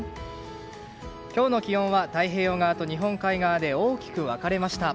今日の気温は太平洋側と日本海側で大きく分かれました。